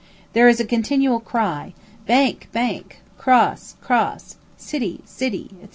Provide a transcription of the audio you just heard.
There is a continual cry, "Bank, bank," "Cross, cross," "City, city," &c.